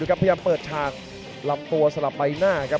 ดูครับพยายามเปิดช่างลำตัวสลับไปหน้าครับ